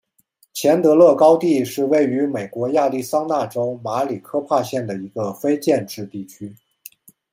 钱德勒高地是位于美国亚利桑那州马里科帕县的一个非建制地区。